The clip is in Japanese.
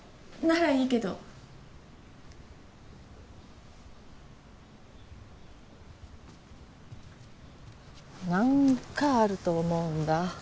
ならいいけど何かあると思うんだ